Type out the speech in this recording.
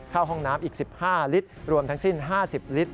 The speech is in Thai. ห้องน้ำอีก๑๕ลิตรรวมทั้งสิ้น๕๐ลิตร